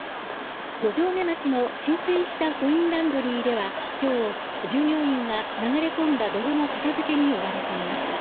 五城目町の浸水したコインランドリーでは今日従業員が流れ込んだ泥の片付けに追われていました。